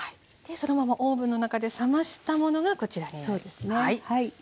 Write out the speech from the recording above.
そのままオーブンの中で冷ましたものがこちらになりますね。